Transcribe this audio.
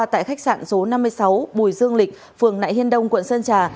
tại khách sạn số năm mươi sáu bùi dương lịch phường nại hiên đông quận sơn trà